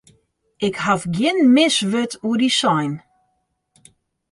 Ik haw gjin mis wurd oer dy sein.